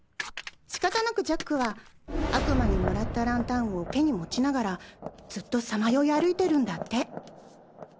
仕方なくジャックは悪魔にもらったランタンを手に持ちながらずっとさまよい歩いてるんだって。